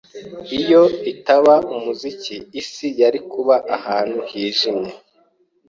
Iyo itaba umuziki, isi yari kuba ahantu hijimye.